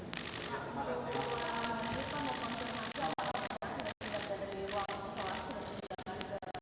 juga sudah melakukan perkembangan